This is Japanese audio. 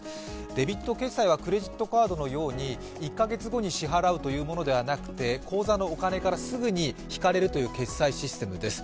デビッド決済はクレジットカードのように１カ月後に支払うものではなく口座のお金からすぐに引かれるという決済システムです。